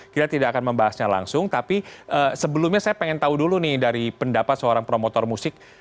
kita tidak akan membahasnya langsung tapi sebelumnya saya ingin tahu dulu nih dari pendapat seorang promotor musik